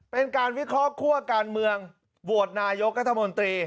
เป็นการวิเคราะห์คั่วการเมืองโหวตนายกรัฐมนตรี